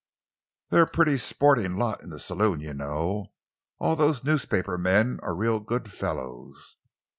They're a pretty sporting lot in the saloon, you know. All those newspaper men are real good fellows."